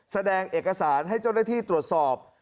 แสดงเอกสารให้เจ้าหน้าที่ตรวจสอบ